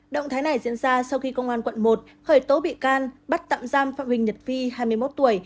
động thái này diễn ra sau khi công an quận một khởi tố bị can bắt tạm giam phạm huỳnh nhật vi hai mươi một tuổi